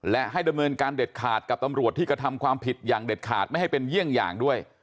และให้ดำเนินการเด็ดขาดกับตำรวจที่กระทำความผิดอย่างเด็ดขาดไม่ให้เป็นเยี่ยงอย่างด้วย